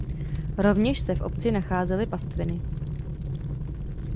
Rovněž se v obci se nacházely pastviny.